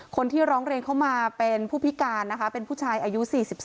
คนที่ร้องเรียนเข้ามาเป็นผู้พิการนะคะเป็นผู้ชายอายุ๔๒